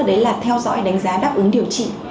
đấy là theo dõi đánh giá đáp ứng điều trị